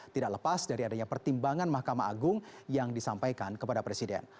tidak lepas dari adanya pertimbangan mahkamah agung yang disampaikan kepada presiden